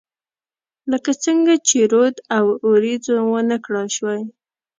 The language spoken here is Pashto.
لکه څنګه چې رود او، اوریځو ونه کړای شوه